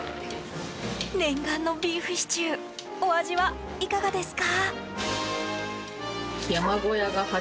念願のビーフシチューお味はいかがですか？